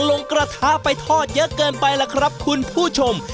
ลงกระทะไปทอดเยอะเกินไปล่ะครับคุณผู้ชม